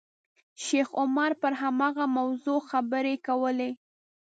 شیخ عمر پر هماغه موضوع خبرې کولې.